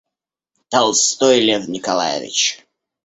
Толстой Лев Николаевич.